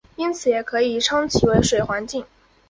因此也可以称其为水环境。